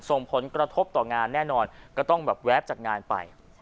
ส่งผลกระทบต่องานแน่นอนก็ต้องแบบแวบจากงานไป